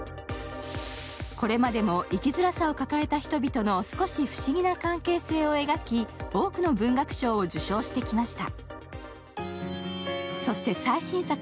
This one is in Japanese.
これまでも生きづらさを抱えた人々の少し不思議な関係性を描き、多くの文学賞を受賞してきました。